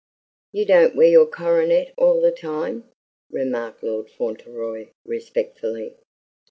"You don't wear your coronet all the time?" remarked Lord Fauntleroy respectfully.